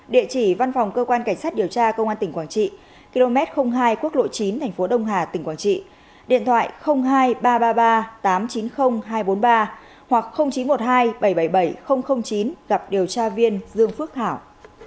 địa chỉ văn phòng cơ quan cảnh sát điều tra công an tỉnh quảng trị km hai quốc lộ chín thành phố đông hà tỉnh quảng trị điện thoại hai nghìn ba trăm ba mươi ba tám trăm chín mươi hai trăm bốn mươi ba hoặc chín trăm một mươi hai bảy trăm bảy mươi bảy chín gặp điều tra viên dương phước hảo